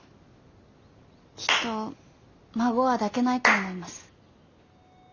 きっと孫は抱けないと思います。